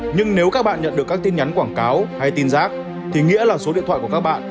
nhưng nếu các bạn nhận được các tin nhắn quảng cáo hay tin giác thì nghĩa là số điện thoại của các bạn